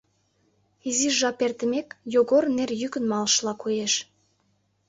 Изиш жап эртымек, Йогор нер йӱкын малышыла коеш.